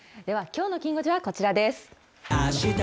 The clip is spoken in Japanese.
ではきょうのきん５時はこちらです。